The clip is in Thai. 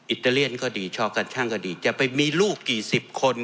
อิตาเลียนก็ดีชอกันช่างก็ดีจะไปมีลูกกี่สิบคน